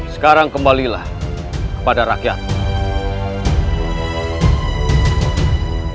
sekarang kembalilah kepada rakyatmu